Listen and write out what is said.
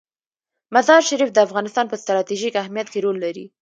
مزارشریف د افغانستان په ستراتیژیک اهمیت کې رول لري.